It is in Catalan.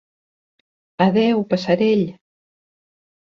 Adéu, passerell!